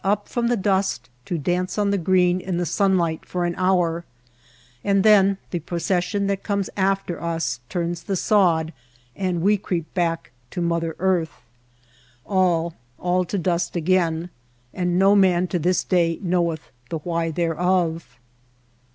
up from the dust to dance on the green in the sunlight for an hour ; and then the procession that comes after us turns the sod and we creep back to Mother Earth. All, all to dust again ; and no man to this day knoweth the why thereof.